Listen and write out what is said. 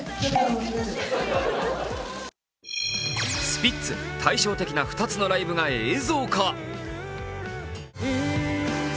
スピッツ、対照的な２つのライブが映像化。